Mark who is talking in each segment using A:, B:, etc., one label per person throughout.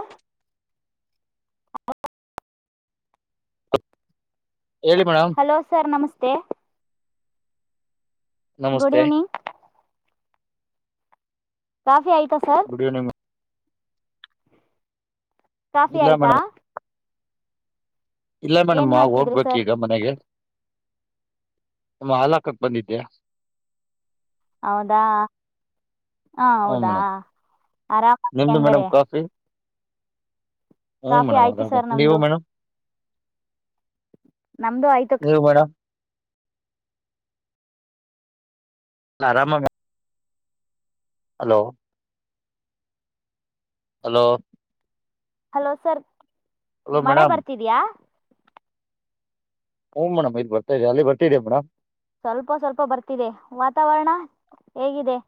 A: ಹ
B: ಹೇಳಿ madam
A: hello sir ನಮಸ್ತೆ ಗುಡ್
B: ನಮಸ್ತೆ
A: ಈವ್ನಿಂಗ್ ಕಾಫಿ ಆಯ್ತಾ ಸರ್
B: ಗುಡ್ ಈವ್ನಿಂಗ್
A: ಕಾಫಿ
B: ಇಲ್ಲ
A: ಆಯ್ತಾ
B: ಮೇಡಮ್ ಇಲ್ಲ ಮೇಡಮ್
A: ಏನ್
B: ಆ
A: ಮಾಡ್ತಿದ್ರಿ
B: ಹೋಗ್ಬೇಕು
A: ಸರ್
B: ಈಗ ಮನೆಗೆ ಮೇಡಂ ಹಾಲಕಕ್ಕೆ ಬಂದಿದ್ದ್ಯಾ
A: ಹೌದಾ ಹಾ
B: ಹ್ಞೂ
A: ಹೌದಾ
B: ಮೇಡಮ್
A: ಆರಾಮ ಹೆಂಗಾರೆ
B: ಹ
A: ಕಾಫಿ
B: ಮೇಡಮ್
A: ಆಯ್ತು
B: ಅರಾಮ್
A: ಸರ್
B: ನೀವ್
A: ನಮ್ದು
B: ಮೇಡಮ್
A: ನಮ್ದು ಆಯ್ತ
B: ನೀವು ಮೇಡಮ್ ಆರಾಮ hello hello
A: hello sir
B: hello
A: ಮಳೆ
B: ಮೇಡಮ್
A: ಬರ್ತಿದ್ಯಾ
B: ಹ್ಮ್ ಮೇಡಮ್ ಇಲ್ಲಿ ಬರ್ತಿದೆ ಅಲ್ಲಿ ಬರ್ತಿದೀಯಾ ಮೇಡಮ್
A: ಸ್ವಲ್ಪ ಸ್ವಲ್ಪ ಬರ್ತಿದೆ ವಾತಾವರಣ ಹೇಗಿದೆ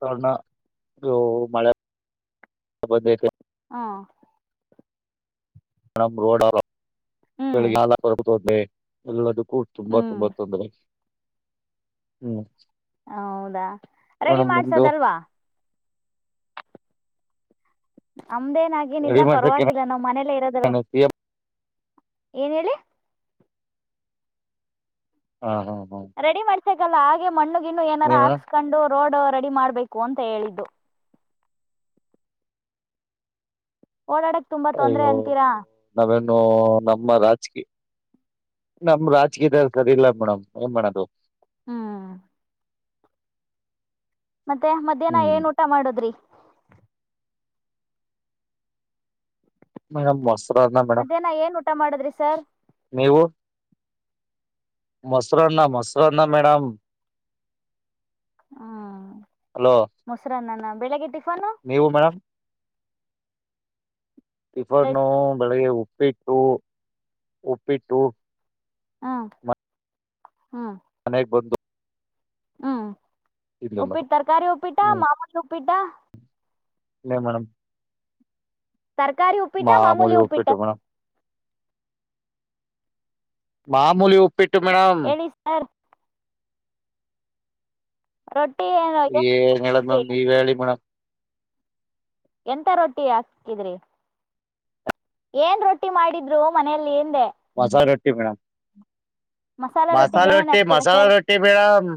B: ತಣ [unintelligible] ಮಳೆ ಬಂದ
A: ಹಾ
B: ಮ್ ರೋಡ್
A: ಹ್ಮ್
B: ಬೆ ಎಲ್ಲ [unintelligible] ಹೂ ತುಂಬಾ
A: ಹ್ಮ್
B: ತುಂಬ ತೊಂದ್ರೆ ಹ್ಮ್
A: ಹೌದಾ ರೆಡಿ
B: ಮೇಡಮ್ ನಿಮ್ದು
A: ಮಾಡ್ಸೋದಲ್ವಾ ಅಮ್ದೇನ್ ಆಗೇನ
B: ರೆಡಿ
A: ಇಲ್ಲ
B: ಮಾಡ್ಸಕ್ಕೆ
A: ಪರವಾಗಿಲ್ಲ ನಾವ್ ಮನೆಲೆ ಇರೋದಲ್ವಾ
B: ಸಿ ಎಂ
A: ಏನ್ ಹೇಳಿ
B: ಹಾ ಹಾ ಹಾ
A: ರೆಡಿ ಮಾಡ್ಸಕಲ್ಲ ಹಾಗೆ ಮಣ್ಣು ಗಿಣ ಏನಾರ
B: ನೀವ್ ಮೇಡಮ್
A: ಹಾಕ್ಸ್ಕೊಂಡು ರೋಡು ರೆಡಿ ಮಾಡ್ಬೇಕು ಅಂತ ಹೇಳಿದ್ದು ಓಡಾಡಕ್ ತುಂಬಾ ತೊಂದ್ರೆ ಅಂತೀರಾ
B: ಓ ನಮ್ಮ ರಾಜಕೀಯ ನಮ್ ರಾಜಕೀಯದವರು ಸರಿ ಇಲ್ಲ ಮೇಡಮ್ ಏನ್ ಮಾಡೋದು
A: ಹ್ಮ್ ಮತ್ತೆ ಮಧ್ಯಾಹ್ನ
B: ಹ್ಮ್
A: ಏನ್ ಊಟ ಮಾಡದ್ರಿ
B: ಮೇಡಮ್ ಮೊಸ್ರನ್ನ ಮೇಡಮ್
A: ಮಧ್ಯಾಹ್ನ ಏನ್ ಊಟ ಮಾಡುದ್ರಿ ಸರ್
B: ನೀವು ಮೊಸೂರನ್ನ ಮೊಸೂರನ್ನ ಮೇಡಮ್
A: ಹ್ಮ್
B: ಹಲೋ
A: ಮೊಸರನ್ನನ ಬೆಳಗ್ಗೆ ಟಿ
B: ನೀವು ಮೇಡಮ್ ಟಿಫನ್ನು ಬೆಳಗ್ಗೆ ಉಪ್ಪಿಟ್ಟು ಉಪ್ಪಿಟ್ಟು
A: ಹ್ಮ್ ಹ್ಮ್
B: ಮನೆಗ್ ಬಂಧು
A: ಹ್ಮ್
B: ಮೇಡಮ್
A: ಉಪ್ಪಿಟ್ಟ ತರಕಾರಿ ಉಪ್ಪಿಟ್ಟ
B: ಹ್ಮ್
A: ಮಾಮೂಲಿ ಉಪ್ಪಿಟ್ಟ
B: ಇನ್ನೇನ್ ಮೇಡಂ
A: ತರ್ಕಾರಿ ಉಪ್ಪಿಟ ಮಾಮೂಲಿ ಉಪ್ಪಿಟ
B: ಉಪ್ಪಿಟ್ಟು ಮೇಡಮ್ ಮಾಮೂಲಿ ಉಪ್ಪಿಟ್ಟು ಮೇಡಮ್
A: ಹೇಳಿ ಸರ್ ರೋಡ್
B: ಏನ್ ಹೇಳೋದು ಮೇಡಂ ನೀವೇ ಹೇಳಿ ಮೇಡಂ
A: ಎಂತ ರೊಟ್ಟಿ ಹಾಕಿದ್ರಿ ಏನ್ ರೊಟ್ಟಿ ಮಾಡಿದ್ರು ಮನೆಯಲ್ಲಿ ಏನ್
B: ಮಜ ರೊಟ್ಟಿ ಮೇಡಮ್
A: ಮಸಾಲಾ ರೊಟ್ಟಿಗೆ
B: ಮಸಾಲೆ
A: ಏನೇನ್
B: ರೊಟ್ಟಿ
A: ಹಾಕ್ತೀರಾ
B: ಮಸಾಲಾ
A: ಸರ್
B: ರೊಟ್ಟಿ ಮೇಡಮ್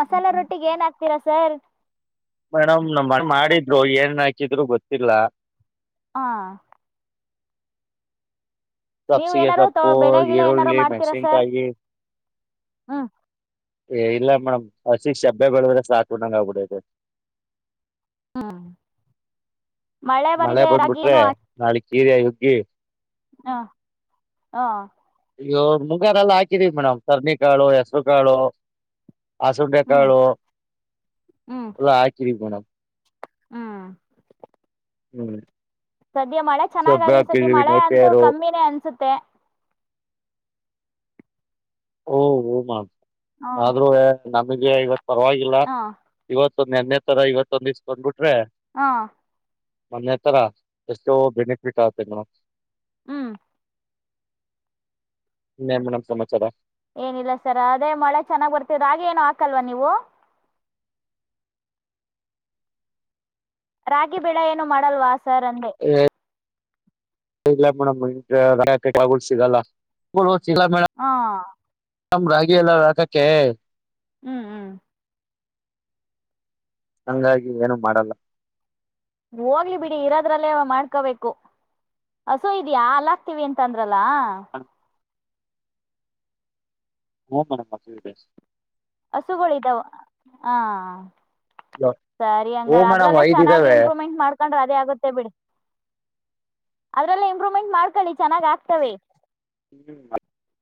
A: ಮಸಾಲಾ [unintelligible]
B: ಮೇಡಮ್ ನಮ್ಮ ಅಣ್ಣ ಮಾಡಿದ್ರು ಏನ್ ಹಾಕಿದ್ರು ಗೊತ್ತಿಲ್ಲ.
A: ಹಾ. ನೀವ
B: ಸಬ್ಸಿಗೆ
A: ಏನಾರೂ ತೊ
B: ಸೊಪ್ಪು
A: ಬೆಳೆಗಿಳೆ ಏನಾರು
B: ಈರುಳ್ಳಿ
A: ಮಾಡ್ತೀರಾ ಸರ್.
B: ಮೆಣಸಿನ್ಕಾಯಿ
A: ಹ್ಮ್.
B: ಏ್ ಇಲ್ಲ ಮೇಡಮ್ ಹಸಿಗೆ ಶಬ್ಬ್ಯ ಬೆ್ರ ಸಾಕೊಂಡಂಗ ಆಗ್ಬಿಡತೆ.
A: ಹ್ಮ.
B: ಮಳೆ ಬಂದ್ಬಿಟ್ರೆ ನಾಳಗ್ ಕೀರಿ ಯುಗ್ಗಿ.
A: ಹಾ ಹಾ.
B: ಇ ಮುಂಗಾರ ಎಲ್ಲ ಹಾಕಿದೀವಿ ಮೇಡಮ್ ಸರ್ನಿಿಕಾಳು ಹೆಸರು ಕಾಳು.
A: ಹ್ಮ್
B: ಆಸಂಬೆಕಾಳು
A: ಹ್ಮ್
B: ಎಲ್ಲ ಆಕರಿ ಮೇಡಮ್.
A: ಹ್ಮ್.
B: ಹ್ಮ್.
A: ಸದ್ಯ ಮಳೆ
B: ಶಬ್ಬೆ
A: ಚೆನ್ನಾಗರಿ ಈ ಸತಿ
B: ಹಾಕಿದೀವಿ
A: ಮಳೆ ಅಂತೂ
B: ನೇಪಿಯರು
A: ಕಮ್ಮಿನೇ ಅನ್ಸುತ್ತೆ.
B: ಹಓ ಹ ಮ್
A: ಹ
B: ಆದ್ರೂ ನಮಗೆ ಇವತ್ ಪರವಾಗಿಲ್ಲ
A: ಹ
B: ಇವತ್ತ ತ್ತ ನನ್ನೆ ತರ ಇವತ್ತುೊಂದಿಸ್ಕ್ಬಿಟ್ಟು.
A: ಹಾ.
B: ಮೊನೆೆ ತರ ಎಷ್ಟೋ ಬೆನಿಫಿಟ್ ಆತೆ ಮಡಮ್.
A: ಹ್ಮ್.
B: ಇನ್ನೇನ್ ಮೇಡಂ ಸಮಾಚಾರ.
A: ಏನಿಲ್ಲ ಸರ ಅದೇ ಮಳೆ ಚೆನ್ನಾಗ್ ಬರ್ತವಿ ರಾಗಿ ಏನು ಹಾಕಲ್ವಾ ನೀವು. ರಾಗಿ ಬೆಳೆ ಏನು ಮಾಡಲ್ವ ಸರಂದೆ.
B: ಏ [unintelligible]
A: ಹಾ.
B: ನಮ್ ರಾಗಿ ಎಲ್ಲ ರಾಕಕ್ಕೆ.
A: ಹ್ಮ್ ಹ್ಮ್.
B: ಹಂಗಾಗಿ ಏನು ಮಾಡಲ್ಲ.
A: ಹೋಗ್ಲಿ ಬಿಡಿ ಇರೋದ್ರಲ್ಲೇ ಮಾಡ್ಕೋಬೇಕು ಹಸೋ ಇದ್ಯಾ ಅಲಾಕ್ತಿವಿ ಅಂತ ಅಂದ್ರ. [inaudible]
B: ಹ ಮೇಡಮ್ ಹಸು ಇದೆ.
A: ಹಸುಗಳ ಇದಿದಾವ ಹಾ. ಸರಿ
B: ಹೂ
A: ಹಂಗಾರ
B: ಮೇಡಮ್
A: ಅದ್ರಲ್ಲೇ
B: ಐದ್
A: ಚೆನ್ನಾಗಿ
B: ಇದಾವೆ
A: ಇಂಪ್ರೂವ್ಮೆಂಟ್ ಮಾಡ್ಕೊಂಡ್ರೆ ಅದೇ ಆಗುತ್ತೆ ಬಿಡಿ. ಅದ್ರಲ್ಲ ಇಂಪ್ರೂವ್ಮೆಂಟ್ ಮಾಡ್ಕೊಳ್ಳಿ ಚೆನ್ನಾಗ್ ಆಗ್ತವೆ.
B: [inaudible]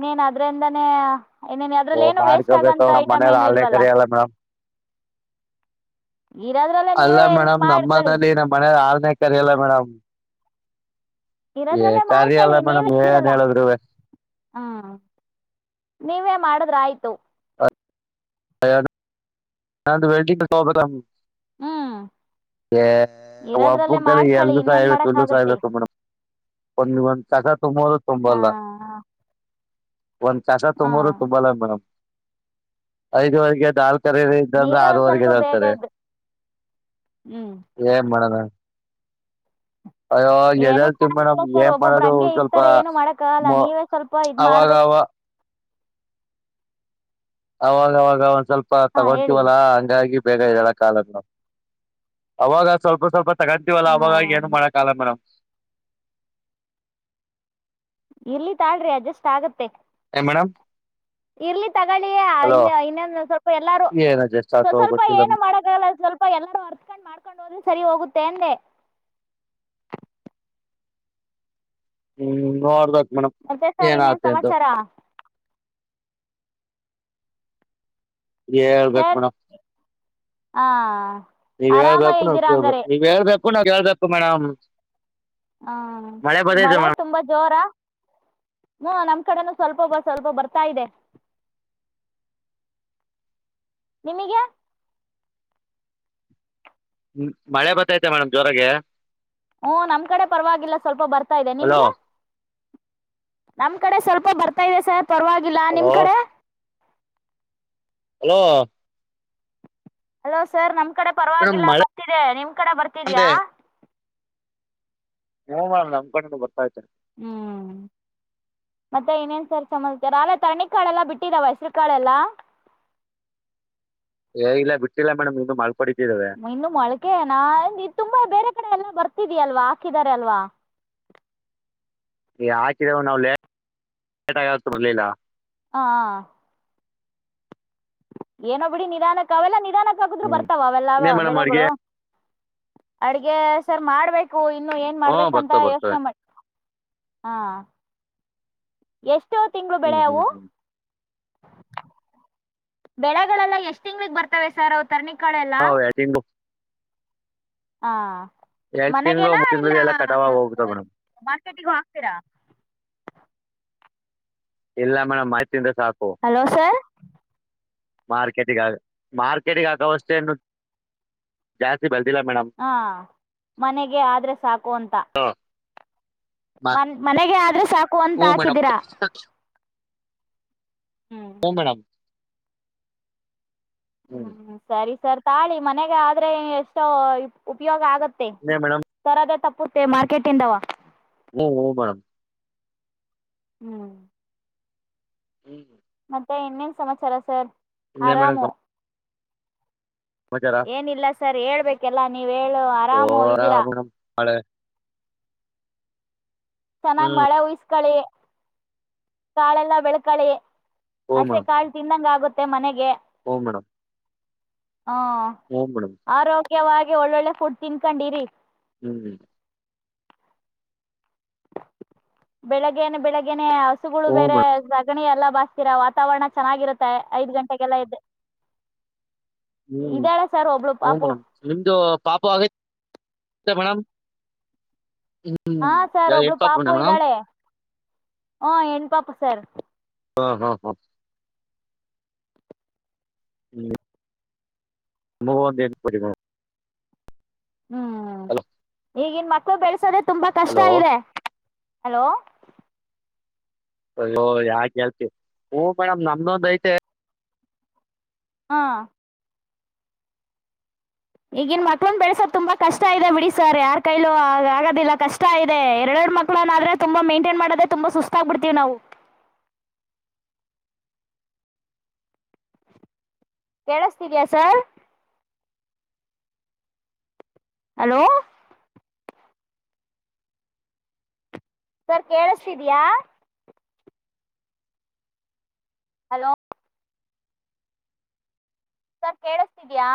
A: ನೀನ್ ಅದ್ರಿಂದಾನೇ. ಏನೇನ
B: ಓ
A: ಅದ್ರಲ್ಲಿ ಏನು ವೇಸ್ಟ್
B: ಮಾಡ್ಕೋಬೇಕು
A: ಆಗಂತ
B: ನಮ್
A: ಐಟಮ್
B: ಮನೇಲಿ
A: ಏನು
B: ಹಾಲ್ನೇ
A: ಇಲ್ವಲ್ಲ.
B: ಕರಿಯಲ್ಲ ಮೇಡಮ್
A: ಇರೋದ್ರಲ್ಲೇ
B: ಅಲ್ಲ
A: ನೀವೇ ಎಲ್ಪ್
B: ಮೇಡಮ್ ನಮ್ಮ
A: ಮಾಡ್ಕಳಿ
B: ಮನಲಿ ನಮ್ಮ್ ಮನ ಆರನೆೇ ಕರಿಲ್ಲ ಮೇಡಮ್. ಏ
A: ಇರೋದ್ರಲ್ಲೇ
B: ಕರಿಯಲ್ಲ
A: ಮಾಡ್ಕಳಿ
B: ಮೇಡಮ್ ಏನ್
A: ನೀವೇರಲ್ಲ
B: ಹೇಳಿದ್ರುವೆ
A: ಹ್ಮ. ನೀವೇ ಮಾಡುದ್ರ ಆಯ್ತು.
B: [inaudible]
A: ಹ್ಮ್. ಇರೋದ್ರಲ್ಲೇ ಮಾಡ್ಕಳಿ ಇನ್ನೇನ್
B: [unintelligible]
A: ಮಾಡಕ್ ಆಗತ್ತೆ
B: ಒಂದು ಒಂದು ಕಸ ತುಂಬ ಅಂದ್ರು
A: ಹ
B: ತುಂಬಲ್ಲ. ಒಂದ್ ಕಸ
A: ಹ
B: ತುಂಬೋರು ತುಂಬಲ್ಲ ಮೇಡಮ್ ಐದುವರೆಗೆ ಎದ್ದ ಹಾಲ್ ಕರಿ ಇದ
A: ನೀವೇ ಒಂದ್ ಸ್ವಲ್ಪ ಬೇಗ
B: ಆರವರೆಗೆರ್ತಾರೆ
A: ಇದ್ ಹ್ಮ್
B: ಏನ್ ಮಾಡೋಣ. ಅಯ್ಯೋ
A: ಏನು
B: ಎದ್ದೇಳ್ತೀವಿ ಮೇಡಮ್
A: ಮಾಡಂಗಿಲ್ಲ ಸರ್
B: ಏನ್
A: ಒಬ್ಬೊಬ್ರು
B: ಮಾಡೋದು
A: ಹಂಗೆ
B: ಒಂದ್ ಸ್ವಲ್ಪ
A: ಇರ್ತಾರೆ ಏನು ಮಾಡಕ್ಕಾಗಲ್ಲ
B: ಮೊ
A: ನೀವೇ ಸ್ವಲ್ಪ ಇದ್
B: ಅವಾಗ
A: ಮಾಡ್ಬೇಕು.
B: ಅವ ಅವಾಗವಾಗ ಒಂದ್ ಸ್ವಲ್ಪ
A: ಹಾ ಹೇಳಿ
B: ತಗೊತೀವಲ್ಲಾ ಹಂಗಾಗಿ. ಬೇಗ ಎಳಕ ಆಗಲ್ಲಾ ಅವಾಗ ಸ್ವಲ್ಪ ಸ್ವಲ್ಪ. ತಗಂತೀವಲ್ಲ
A: ಹಾ
B: ಅವಾಗ ಏನು ಮಾಡಕ್ಕಲ್ಲ ಮೇಡಮ್
A: ಇಲ್ಲಿ ತಾಳ್ರಿ ಅಡ್ಜಸ್ಟ್ ಆಗತ್ತೆ
B: ಏ ಮೇಡಮ್
A: ಇರ್ಲಿ
B: ಹಲೋ
A: ತಗೊಳ್ಳಿಇನ್ನ ಇನ್ನೊಂದು ಸ್ವಲ್ಪ ಎಲ್ಲಾರು
B: ಏನ ಜಸ್ಟ್
A: ಸ್
B: ಆತೋ
A: ಸ್ವಲ್ಪ
B: ಗೊತ್ತಿಲ್ಲ
A: ಏನನು ಮಾಡಕ್ಕಲ್ಲ ಸ್ವಲ್ಪ ಎಲ್ಲರೂ ಅರ್ತ್ಕೊಂಡ್ ಮಾಡ್ಕೊಂಡ್ ಹೋದ್ರೆ ಸರಿ ಹೋಗುತ್ತೆ ಅಂದೆ
B: ಹ್ಮ್ ನೋಡ್ಬೇಕಕ್ ಮೇಡಮ್
A: ಮತ್ತೆ ಸರ್ ಇನ್ನೇನು
B: ಏನತ ಅಂತ
A: ಸಮಾಚಾರ
B: ಳ್ಬತ್
A: ಸರ್
B: ಮಣ
A: ಹಾಂ
B: ನೀವ್
A: ಆರಾಮಾಗಿ
B: ಹೇಳ್ಬೇಕು ನ
A: ಇದ್ದೀರಾ
B: ಕೇಳ್ಬೇಕ
A: ಹಂಗಾರೆ
B: ನೀವ್ ಹೇಳ್ಬೇಕು ನಾವ ಹೇಳ್ಬೇಕು ಮೇಡಮ್
A: ಹಾ ಮಳೆ ತುಂಬಾ ಜೋರ ಹ್ಮ ನಮ ಕಡೆನೂ ಸ್ವಲ್ಪೊಬ ಸ್ವಲ್ಪ ಬರ್ತಾ ಇದೆ ನಿಮಗೆ
B: ಮಳೆ ಬತೃತೆ ಮೇಡಮ್ ಜೋರಗೆ
A: ಹಓ ನಮ್ ಕಡೆ ಪರವಾಗಿಲ್ಲ ಸ್ವಲ್ಪ ಬರ್ತಾ ಇದೆ
B: ಹಲೋ
A: ನಿಮ್ಗೆ ನಮ ಕಡೆ ಸ್ವಲ್ಪ ಬರ್ತಾ ಇದೆ ಸರ್ ಪರವಾಗಿಲ್ಲ
B: ಹಲೋ
A: ನಿಮ್ ಕಡೆ
B: ಹಲೋ
A: ಹಲೋ ಸರ್ ನಮ್ ಕಡೆ
B: ಮೇಡಮ್
A: ಪರವಾಗಿಲ್ಲ
B: ಮಳೆ
A: ಬರ್ತಿದೆ ನಿಮ್ ಕಡೆ ಬರ್ತಿದ್ಯಾ
B: ಬಂದೆ ಹ್ಮ್ ಮ್ ನಮ್ ಕೊಂಡು ಬರ್ತಾ ಇದತೇನೆ
A: ಹ್ಮ್ ಮತ್ತೆ ಇನೇನ್ ಸರ್ ಚತಾರ ಅಲ್ಲ ತರಣಿ ಕಾಳೆಲ್ಲ ಬಿಟ್ಟಿರವ ಹೆಸರು ಕಾಳೆಲ್ಲ [unintelligible]
B: ಏ ಇಲ್ಲ ಬಿಟ್ಟಿಲ್ಲ ಮೇಡಮ್ ಇನ್ನು ಮಾಡ್ರರೋಂಡ
A: ಇನ್ನು ಮೊಳಕೆನಾ ತುಂಬಾ ಬೇರೆ ಕಡೆ ಎಲ್ಲ ಬರ್ತಿದಿಲ್ವಾ ಹಾಕಿದಿದ್ದಾರೆ ಅಲ್ವಾ
B: ಹಾಕಿದವು ನಾವುಲೇಟ್ ಆಗ ಬರ್ಲಿಲ್ಲ
A: ಹ ಏನೋ ಬಿಡಿ ನಿಧಾನಕ್ ಅವೆಲ್ಲ ನಿಧಾನಕ್ಕ ಆಗುದ್ರು
B: ಹ್ಮ್
A: ಬರ್ತಾವೆಲ್ಲ
B: ಇನ್ನೇ ಮೇಡಮ್ ಅಡ್ಗೆ
A: ಬೆಳೆಗಳು ಅಡ್ಗೆ ಸರ್ ಮಾಡ್ಬೇಕು ಇನ್ನು ಏನ್
B: ಹ್ಮ
A: ಮಾಡ್ಬೇಕಂತ
B: ಬರ್ತವೆ ಬರ್ತವೆ
A: ಯೋಚನೆ ಮಾಡ ಹಾ ಎಷ್ಟು
B: ಹ್ಮ್
A: ಬೆಳೆ
B: ಹ್ಮ್
A: ಅವು
B: ಹ್ಮ್
A: ಬೆಳೆಗಳೆಲ್ಲ ಎಷ್ಟ್ ತಿಂಗಳಿಗೆ ಬರ್ತವೆ ಸರ್ ತರ್ನಿ ಕಾಳ ಎಲ್ಲ
B: ನಾವು ಎರಡು ತಿಂಗಳು
A: ಹಾ
B: ಎರಡು ತಿಂಗಳು
A: ಮನೆಗೇನ
B: ಮೂರು
A: ಇಲ್ಲ
B: ತಿಂಗಳು ಎಲ್ಲ ಕಟಾವಾಗ ಹೋಗ್ಬಿಡ್ತಾವ ಮೇಡಮ್
A: ಮಾರ್ಕೆಟಿಗ ಹಾಕ್ತೀರಾ [unintelligible]
B: ಎಲ್ಲಾ ಮೇಡಮ್ ಮಾಹಂದ ಸಾಕು
A: ಹಲೋ ಸರ್
B: ಮಾರ್ಕೆಟಗ ಮಾರ್ಕೆಟಗ ಆಕವಷ್ಟೇನ್ನು ಜಾಸ್ತಿ ಬೆಳ
A: ಹಾ ಮನೆಗೆ ಆದ್ರೆ ಸಾಕು ಅಂತ ಮನ್ ಮನೆಗೆ ಆದ್ರೆ ಸಾಕು ಅಂತ
B: ಹ್ಞೂ ಮೇಡಮ್
A: ಹಾಕಿದಿರಾ
B: ಹ್ಞೂ ಮೇಡಮ್ ಹ್ಞೂ
A: ಹ್ಮ್ ಸರಿ ಸರ್ ತಾಳಿ ಮನೆಗೆ ಆದ್ರೆ ಎಷ್ಟೋ ಉಪಯೋಗ ಆಗುತ್ತ
B: ಇನ್ನೇ ಮೇಡಮ್
A: ತರದ ತಪ್ಪುತ್ತೆ ಮಾರ್ಕೆಟ್ ಇಂದವ
B: ಹ್ಮ ಹ ಮೇಡ್
A: ಹ್ಮ್
B: ಹ್ಮ್ ಹ್ಮ್
A: ಮ ಎನ್ನೇನ್ ಸಮಾಚಾರ ಸರ್
B: ಇನ್ನೇ ಮೇಡಮ್
A: ಆರಾಮು
B: ಸಮಾಚಾರ
A: ಏನಿಲ್ಲ ಸರ್ ಹೇಳ್ಬೇಕೆಲ್ಲ ನೀವ ಹೇಳು ಆರಾಮು
B: ಜೋರ
A: ಇದ್ದೀರಾ
B: ಮೇಡಮ್ ಮಳೆ
A: ಚೆನ್ನಾಗ್
B: ಹ್ಮ್
A: ಮಳೆ ಉಯಸ್ಕಳಿ ಕಳೆಲ್ಲ ಬೆಳ್ಕಳಿ ಹಸೆ ಕಾಳು ತಿಂದಂಗ ಆಗುತ್ತೆ ಮನೆಗೆ
B: ಓ ಮೇಡಮ್
A: ಹಾ
B: ಹ್ಞೂ ಮೇಡಮ್
A: ಆರೋಗ್ಯವಾಗಿ ಒಳ್ಳೊಳ್ಳೆ ಫುಡ್ ತಿನ್ಕೊಂಡಿರಿ
B: ಹ್ಮ್್ಮ
A: ಬೆಳಗನೆ ಬೆಳಗ್ನೆ ಹಸುಗಳು
B: ಹ್ಞೂ
A: ಬೇರೆ
B: ಮೇಡಮ್
A: ಸಗಣಿ ಎಲ್ಲ ಬಸ್ತೀರಾ ವಾತಾವರಣ ಚೆನ್ನಾಗಿರುತ್ತೆ ಐದ್ ಗಂಟೆಗೆಲ್ಲ ಇದ್ದೆ
B: ಹ್ಮ್ ಹ ಮೇಡಮ್ ನಿಮ್ದು ಪಾಪ ಆಗೈತ್ ಇತ್ತ ಮಣ
A: ಹಾ ಸಾರ್ ಒಬ್ಬಳು ಪಾಪು ಇದ್ದಾಳೆ ಹ ಹೆನ್ ಪಾಪು ಸಾರ್
B: ಹಾ ಹಾ ಹಾ ಹ್ಮ್ ಮೂವೊಂದೇನ ಕೊಡಿಮ
A: ಹ್ಮ್ ಈಗನ್ ಮಕ್ಳು ಬೆಳಸೋದೆೆ ತುಂಬಾ ಕಷ್ಟ
B: ಹಲೋ
A: ಇದೆ ಹಲೋ
B: ಅಯ್ಯೋ ಯಾ ಹೇಳ್ತಿ ಹ ಮೇಡಮ್ ನಮ್ದೊಂದ್ ಐತೆ
A: ಹಾ ಈಗನ್ ಮಕ್ಳಂದ ಬೆಳೆಸೋದ ತುಂಬಾ ಕಷ್ಟ ಇದೆ ಬಿಡಿ ಸರ್ ಯಾರ್ ಕೈಲು ಆ ಆಗದಿಲ್ಲ ಕಷ್ಟ ಇದೆ ಎರಡ ಮಕ್ಳುನಾದ್ರೆ ತುಂಬಾ ಮೇಂಟನ್ ಮಾಡೋದೆ ತುಂಬಾ ಸುಸ್ತಾಗಬಿಡ್ತೀವಿ ನಾವು ಕೇಳಿಸತಿದಯಾ ಸರ್ ಹಲೋ ಸರ್ ಕೇಳಿಸಿದ್ಯಾ ಹಲೋ ಸರ್ ಕೇಳಿಸತಿದಯ